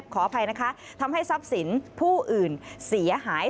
ขออภัยนะคะทำให้ทรัพย์สินผู้อื่นเสียหาย